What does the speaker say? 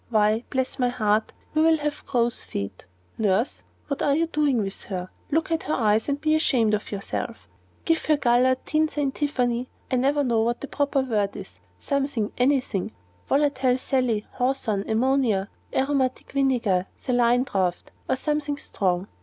Why, bless my heart, you will have crows' feet! Nurse, what are you doing with her? Look at her eyes, and be ashamed of yourself. Give her goulard, tisane, tiffany I never know what the proper word is something, any thing, volatile Sally, hartshorn, ammonia, aromatic vinegar, saline draught, or something strong.